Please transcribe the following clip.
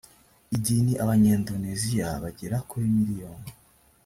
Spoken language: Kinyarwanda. idini abanyandoneziya bagera kuri miliyoni